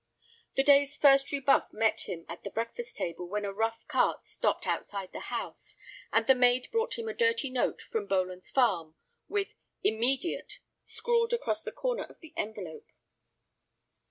The day's first rebuff met him at the breakfast table when a rough cart stopped outside the house, and the maid brought him a dirty note from Boland's Farm, with "Immediate" scrawled across the corner of the envelope.